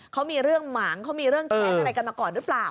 เขามีเรื่องหมางเขามีเรื่องแค้นอะไรกันมาก่อนหรือเปล่า